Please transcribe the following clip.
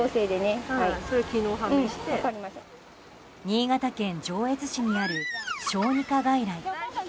新潟県上越市にある小児科外来。